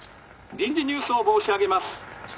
「臨時ニュースを申し上げます。